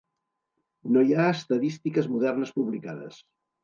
No hi ha estadístiques modernes publicades.